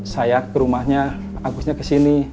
saya ke rumahnya agusnya kesini